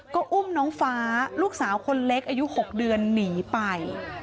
ก็อุ้มน้องฟ้าลูกสาวคนเล็กอายุ๖เดือนหนีไป